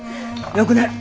よくなる。